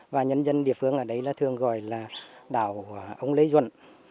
và nhân dân địa phương ở đây thường gọi là đảo ông lê duân